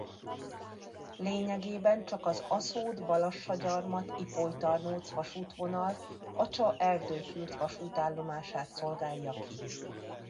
Lényegében csak az Aszód–Balassagyarmat–Ipolytarnóc-vasútvonal Acsa-Erdőkürt vasútállomását szolgálja ki.